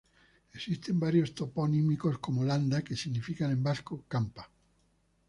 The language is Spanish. Existen varios toponímicos como "Landa" que significa en vasco, campa.